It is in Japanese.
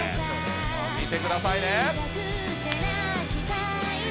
見てくださいね。